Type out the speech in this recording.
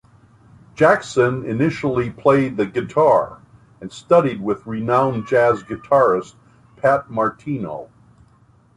Jackson initially played the guitar, and studied with renowned jazz guitarist Pat Martino.